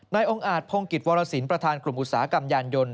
องค์อาจพงกิจวรสินประธานกลุ่มอุตสาหกรรมยานยนต์